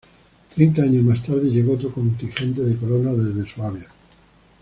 Treinta años más tarde llegó otro contingente de colonos desde Suabia.